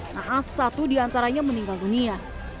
nahas satu diantaranya meninggal dunia